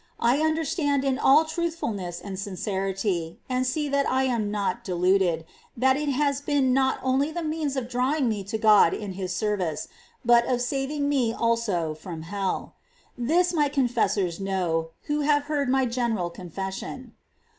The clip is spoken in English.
I understand in all truthfulness and sincerity, and see that I am not deluded, that it has been not only the means of drawing me to God in His service, but of saving me also from hell. This my confessors know, who have heard my general confession.